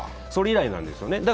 それ以来なんですよね。